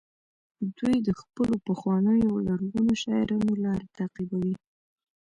دوی د خپلو پخوانیو او لرغونو شاعرانو لاره تعقیبوي